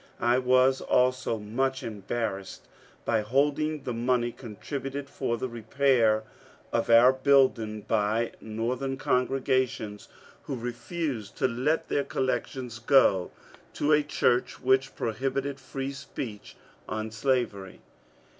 I was also much embarrassed by holding the money contributed for the repair of our building by Northern congregations who refused to let their collections go to a church which prohibited free speech on slavery.